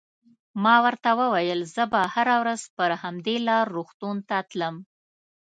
ما ورته وویل: زه به هره ورځ پر همدې لار روغتون ته تلم.